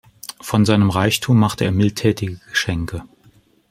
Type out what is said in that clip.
Von seinem Reichtum machte er mildtätige Geschenke.